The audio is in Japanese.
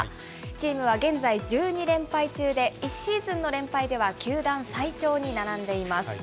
チームは現在１２連敗中で、１シーズンの連敗では球団最長に並んでいます。